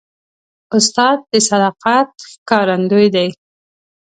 استاد د صداقت ښکارندوی دی.